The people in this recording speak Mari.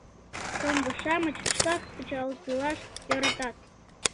Шоҥго-шамыч шкак кычалтылаш йӧратат.